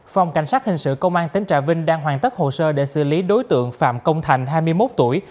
phòng cảnh sát hình sự công an tỉnh trà vinh đang hoàn tất hồ sơ để xử lý đối tượng phạm công thành hai mươi một tuổi